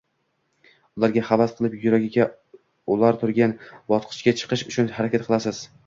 ularga havas qilib yuqoriga ular turgan bosqichga chiqish uchun harakat qilasiz